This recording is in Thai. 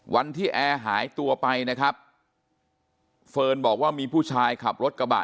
วันที่แอร์หายตัวไปนะครับเฟิร์นบอกว่ามีผู้ชายขับรถกระบะ